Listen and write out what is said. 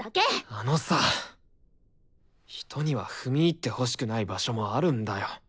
あのさ人には踏み入ってほしくない場所もあるんだよ。